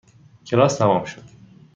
کلاس تمام شد.